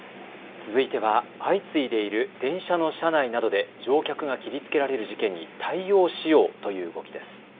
続いては相次いでいる電車の車内などで乗客が切りつけられる事件に対応しようという動きです。